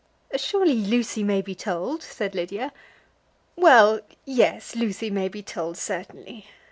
"Surely Lucy may be told," said Lydia. "Well, yes; Lucy may be told certainly.